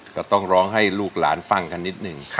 ก็ต้องร้องให้ลูกหลานฟังกันนิดนึง